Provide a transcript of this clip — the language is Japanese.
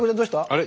あれ？